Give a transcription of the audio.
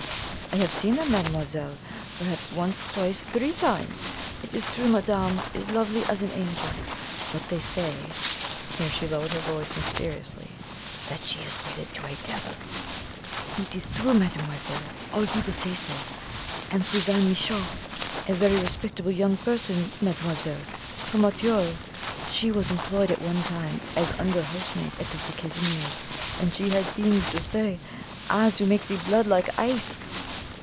"I have seen them, mademoiselle; perhaps once twice three times! It is true madame is lovely as an angel; but they say" here she lowered her voice mysteriously "that she is wedded to a devil! It is true, mademoiselle all people say so. And Suzanne Michot a very respectable young person, mademoiselle, from Auteuil she was employed at one time as under housemaid at Dr. Casimir's, and she had things to say ah, to make the blood like ice!"